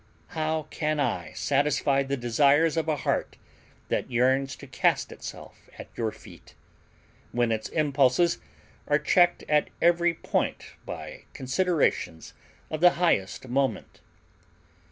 How can I satisfy the desires of a heart that yearns to cast itself at your feet, when its impulses are checked at every point by considerations of the highest moment?